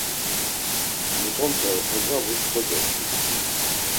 Mutonpe oxesabus kocoç̌u.